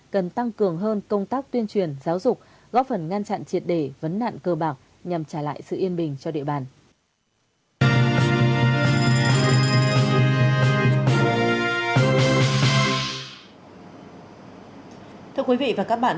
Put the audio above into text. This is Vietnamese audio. cần tăng cường hơn công tác tuyên truyền giáo dục góp phần ngăn chặn triệt để vấn nạn cơ bạc nhằm trả lại sự yên bình cho địa bàn